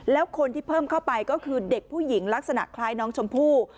แล้วคนที่เพิ่มเข้าไปก็คือเด็กผู้หญิงลักษณะคล้ายน้องชมพู่